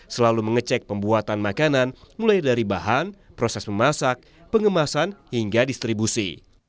selalu mengecek pembuatan makanan mulai dari bahan proses memasak pengemasan hingga distribusi